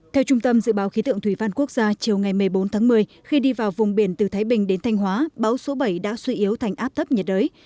theo trung tâm dự báo khí tượng thủy văn quốc gia chiều ngày một mươi bốn tháng một mươi khi đi vào vùng biển từ thái bình đến thanh hóa bão số bảy đã suy yếu thành áp thấp nhiệt đới